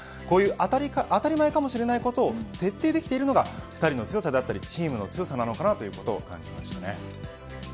こういう当たり前かもしれないことを徹底できているのが２人の強さだったりチームの強さだと感じました。